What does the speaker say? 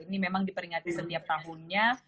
ini memang diperingati setiap tahunnya